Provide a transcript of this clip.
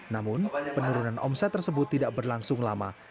namun penurunan omset tersebut tidak berlangsung lama